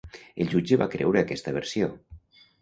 El jutge va creure aquesta versió.